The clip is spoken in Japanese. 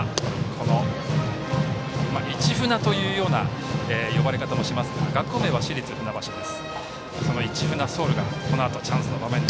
この市船というような呼ばれ方もしますが学校名は「しりつふなばし」です。